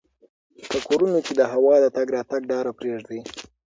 په کورونو کې د هوا د تګ راتګ لاره پریږدئ.